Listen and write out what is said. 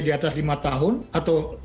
di atas lima tahun atau